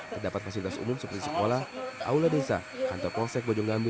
terdapat fasilitas umum seperti sekolah aula desa kantor polsek bojong gambi